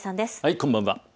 こんばんは。